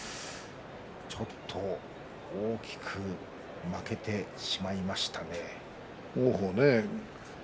ちょっと、大きく負けてしまいましたね。